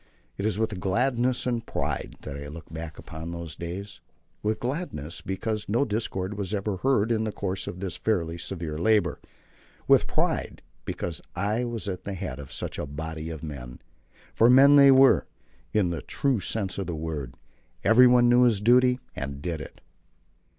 It is with gladness and pride that I look back upon those days. With gladness, because no discord was ever heard in the course of this fairly severe labour; with pride, because I was at the head of such a body of men. For men they were, in the true sense of the word. Everyone knew his duty, and did it.